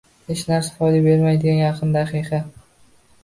Hech narsa foyda bermaydigan yaqin daqiqa